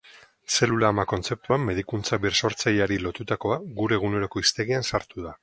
Zelula ama kontzeptua, medikuntza birsortzaileari lotutakoa, gure eguneroko hiztegian sartu da.